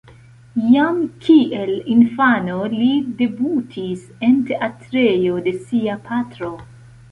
Jam kiel infano, li debutis en teatrejo de sia patro.